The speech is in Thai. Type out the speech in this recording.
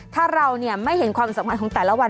ถ้าเราไม่เห็นความสำคัญของแต่ละวัน